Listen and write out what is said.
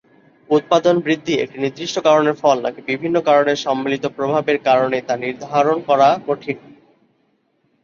উৎপাদন বৃদ্ধি একটি নির্দিষ্ট কারণের ফল নাকি বিভিন্ন কারণের সম্মিলিত প্রভাবের কারণে তা নির্ধারণ করা কঠিন।